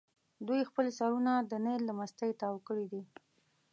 دوی خپل سرونه د نیل له مستۍ تاو کړي دي.